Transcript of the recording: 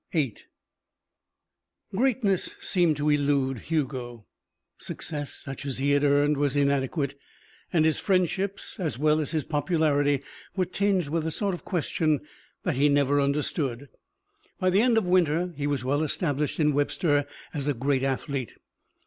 VIII Greatness seemed to elude Hugo, success such as he had earned was inadequate, and his friendships as well as his popularity were tinged with a sort of question that he never understood. By the end of winter he was well established in Webster as a great athlete.